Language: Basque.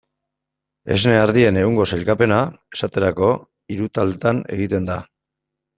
Esne ardien egungo sailkapena, esaterako, hiru taldetan egiten da.